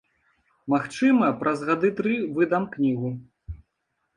Магчыма, праз гады тры выдам кнігу.